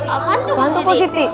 apaan tuh positi